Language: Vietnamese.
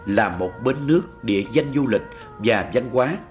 là một bến nước địa danh du lịch và văn hóa